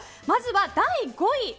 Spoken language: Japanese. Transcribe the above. まずは第５位。